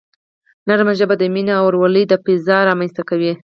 نرمه ژبه د مینې او ورورولۍ فضا رامنځته کوي.